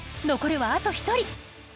残るはあと１人。